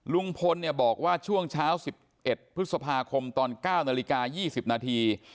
ลุงพลบอกว่าช่วงเช้า๑๑พฤษภาคมตอน๙นาฬิกา๒๐นาที